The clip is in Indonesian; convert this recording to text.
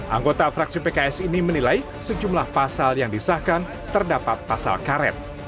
anggota fraksi pks ini menilai sejumlah pasal yang disahkan terdapat pasal karet